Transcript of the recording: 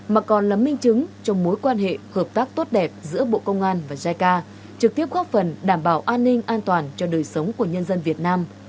mà còn là minh chứng trong mối quan hệ hợp tác tốt đẹp giữa bộ công an và jica trực tiếp góp phần đảm bảo an ninh an toàn cho đời sống của nhân dân việt nam